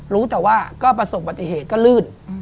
รู้แต่ว่าก็ประสบปฏิเหตุก็ลื่น